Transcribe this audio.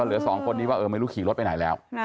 เหลือ๒คนนี้ว่าเออไม่รู้ขี่รถไปไหนแล้ว